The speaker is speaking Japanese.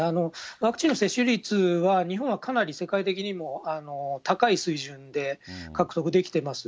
ワクチンの接種率は、日本はかなり世界的にも高い水準で獲得できてます。